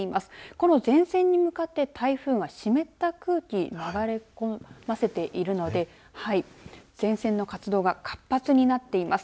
この前線に向かって台風が湿った空気流れこませているので前線の活動が活発になっています。